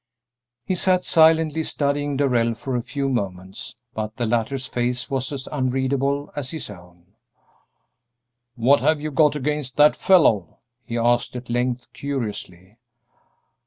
He sat silently studying Darrell for a few moments, but the latter's face was as unreadable as his own. "What have you got against that fellow?" he asked at length, curiously.